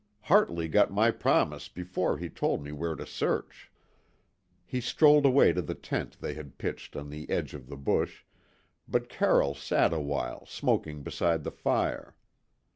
Hartley got my promise before he told me where to search." He strolled away to the tent they had pitched on the edge of the bush, but Carroll sat a while smoking beside the fire.